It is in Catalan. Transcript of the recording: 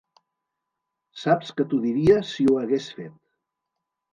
Saps que t'ho diria si ho hagués fet.